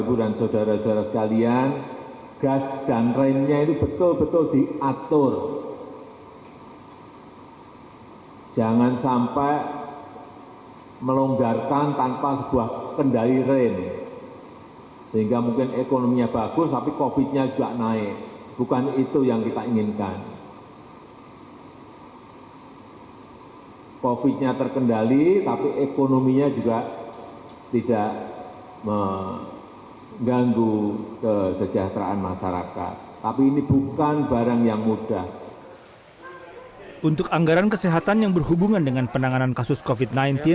untuk anggaran kesehatan yang berhubungan dengan penanganan kasus covid sembilan belas